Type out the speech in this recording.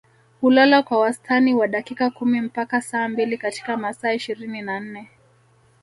Hulala kwa wastani wa dakika kumi mpaka saa mbili katika masaa ishirini na nne